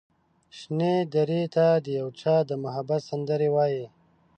شنې درې ته د یو چا د محبت سندرې وايي